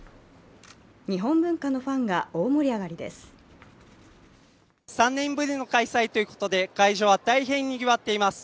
日本文化のファンが大盛り上がりです。